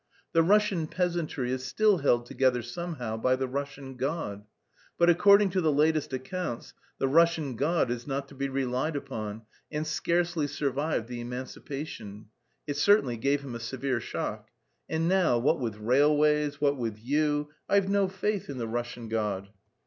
The Russian peasantry is still held together somehow by the Russian God; but according to the latest accounts the Russian God is not to be relied upon, and scarcely survived the emancipation; it certainly gave Him a severe shock. And now, what with railways, what with you... I've no faith in the Russian God."